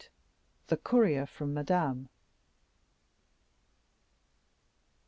The Courier from Madame.